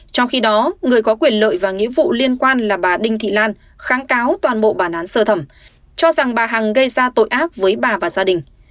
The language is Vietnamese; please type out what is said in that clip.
trong khi đó người có quyền lợi và nghĩa vụ liên quan là bà đinh thị lan kháng cáo toàn bộ bản án sơ thẩm cho rằng bà hằng gây ra tội ác với bà và gia đình